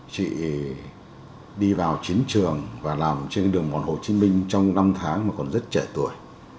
chị đi vào chiến trường và làm trên đường mòn hồ chí minh trong năm tháng mà còn rất trẻ tuổi